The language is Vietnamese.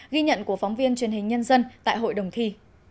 ghi nhận của phóng viên truyền hình nhân dân tại hội đồng thi